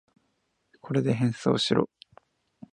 これで変装しろ。